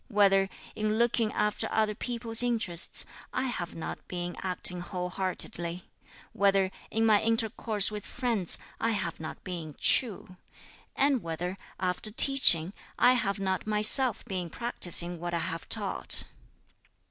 whether, in looking after other people's interests, I have not been acting whole heartedly; whether, in my intercourse with friends, I have not been true; and whether, after teaching, I have not myself been practising what I have taught."